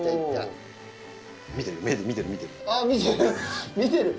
見てる目で見てる見てる。